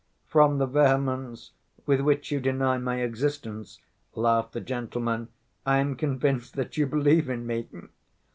"From the vehemence with which you deny my existence," laughed the gentleman, "I am convinced that you believe in me."